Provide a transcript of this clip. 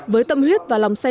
với tâm huyết và lòng sáng